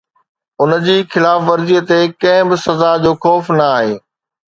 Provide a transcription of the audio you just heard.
ان جي خلاف ورزي تي ڪنهن به سزا جو خوف نه آهي